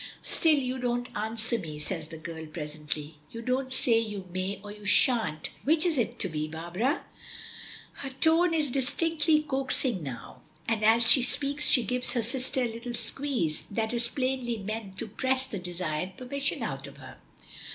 "Still you don't answer me," says the girl presently. "You don't say 'you may' or 'you shan't' which is it to be, Barbara?" Her tone is distinctly coaxing now, and as she speaks she gives her sister a little squeeze that is plainly meant to press the desired permission out of her.